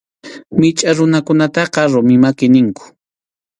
Michʼa runakunataqa rumi maki ninku.